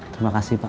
terima kasih pak